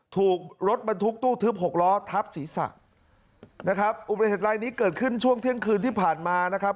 ถูกรถบรรทุกตู้ทึบหกล้อทับศีรษะนะครับอุบัติเหตุรายนี้เกิดขึ้นช่วงเที่ยงคืนที่ผ่านมานะครับ